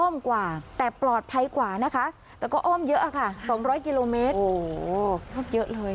้อมกว่าแต่ปลอดภัยกว่านะคะแต่ก็อ้อมเยอะอ่ะค่ะสองร้อยกิโลเมตรโอ้ยเยอะเลย